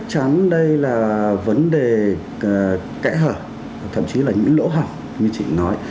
chắc chắn đây là vấn đề kẽ hở thậm chí là những lỗ hỏng như chị nói